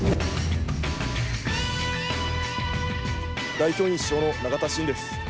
代表委員主将の永田新です。